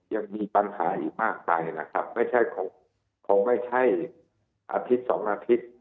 ยังมีปัญหาอีกมากไปพอไม่ใช่อาทิตย์บาทสองอาทิตย์